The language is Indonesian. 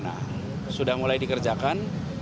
nah sudah mulai dikerjakan